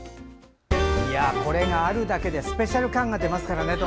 これがあるだけでスペシャル感が出ますからね。